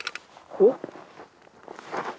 おっ！